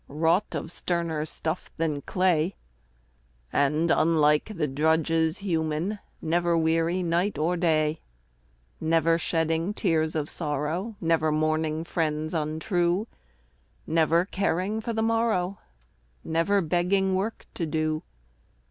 Wrought of sterner stuff than clay; And, unlike the drudges human, Never weary night or day; Never shedding tears of sorrow, Never mourning friends untrue, Never caring for the morrow, Never begging work to do.